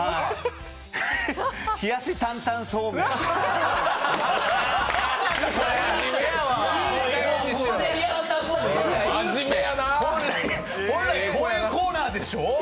こういうコーナーでしょ。